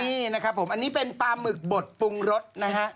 นี่นะครับผมอันนี้เป็นปลาหมึกบดปรุงรสนะฮะ